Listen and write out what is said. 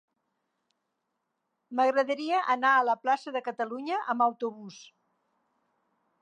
M'agradaria anar a la plaça de Catalunya amb autobús.